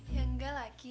ya enggak lah aki